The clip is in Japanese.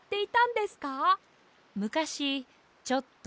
むかしちょっとね。